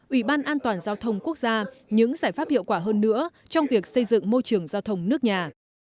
ủy ban an toàn giao thông quốc gia những giải pháp hiệu quả hơn nữa trong việc xây dựng môi trường giao thông nước nhà